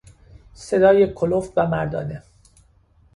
صدای کلفت و مردانه